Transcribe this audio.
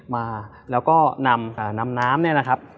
มาแล้วก็นำน้ำเนี่ยนะครับ